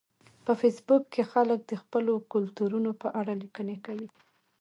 په فېسبوک کې خلک د خپلو کلتورونو په اړه لیکنې کوي